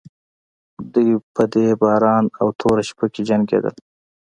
دوی په دې باران او توره شپه کې جنګېدل.